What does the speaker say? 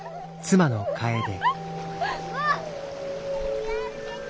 気を付けて。